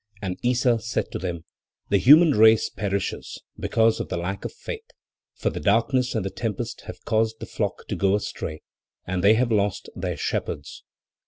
And Issa said to them: "The human race perishes, because of the lack of faith; for the darkness and the tempest have caused the flock to go astray and they have lost their shepherds.